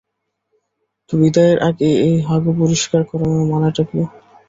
তো বিদায়ের আগে এই হাগু পরিষ্কার করানোর মানেটা কী?